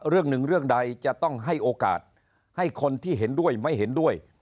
เรื่องหนึ่งเรื่องใดจะต้องให้โอกาสให้คนที่เห็นด้วยไม่เห็นด้วย